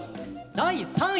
第３位！